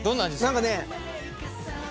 何かね。